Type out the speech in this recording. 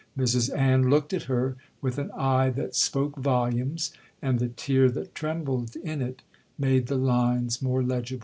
Mrs Ann looked at her with an eye that spoke volumes,—and the tear that trembled in it made the lines more legible.